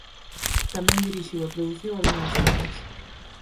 Tamén dirixiu e produciu algunhas obras.